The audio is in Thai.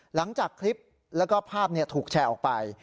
หลังจากคลิปแล้วก็ภาพถูกแชร์ออกไป